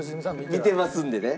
見てますのでね。